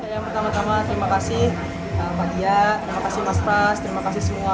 yang pertama tama terima kasih mbak dia terima kasih mas pras terima kasih semua